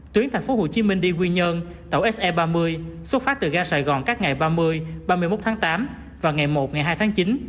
tuyến thành phố hồ chí minh đi nguyên nhơn tàu se ba mươi xuất phát từ ga sài gòn các ngày ba mươi ba mươi một tháng tám và ngày một ngày hai tháng chín